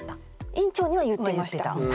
院長には言ってました。